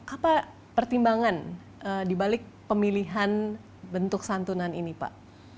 apa pertimbangan dibalik pemilihan bentuk santunan ini pak